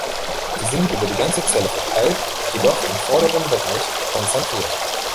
Sie sind über die ganze Zelle verteilt, jedoch im vorderen Bereich konzentriert.